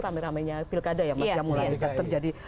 ramai ramainya pilkada yang masih mulai terjadi